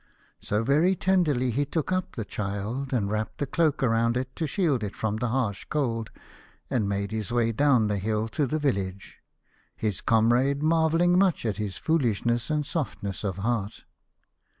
So very tenderly he took up the child, and 133 A House of Pomegranates. wrapped the cloak around it to shield it from the harsh cold, and made his way down the hill to the village, his comrade marvelling much at his foolishness and softness of heart.